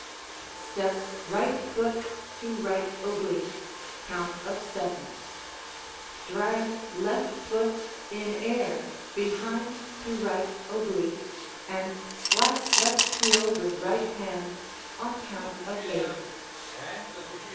Step right foot to right oblique, count of "seven"; drag left foot in air behind to right oblique and slap left heel with right hand on count of "eight."